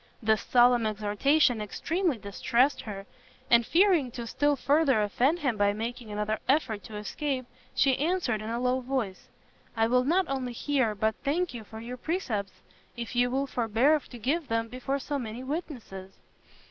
This solemn exhortation extremely distressed her; and fearing to still further offend him by making another effort to escape, she answered in a low voice, "I will not only hear, but thank you for your precepts, if you will forbear to give them before so many witnesses."